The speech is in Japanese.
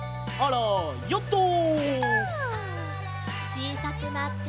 ちいさくなって。